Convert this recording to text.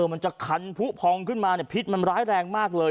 มันจะคันผู้พองขึ้นมาพิษมันร้ายแรงมากเลย